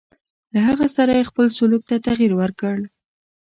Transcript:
له هغه سره یې خپل سلوک ته تغیر ورکړ.